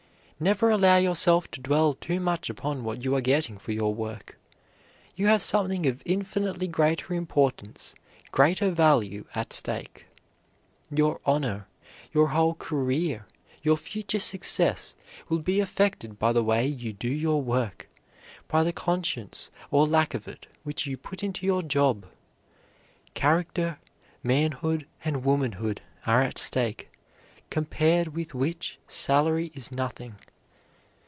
Never allow yourself to dwell too much upon what you are getting for your work. You have something of infinitely greater importance, greater value, at stake. Your honor, your whole career, your future success, will be affected by the way you do your work, by the conscience or lack of it which you put into your job. Character, manhood and womanhood are at stake, compared with which salary is nothing.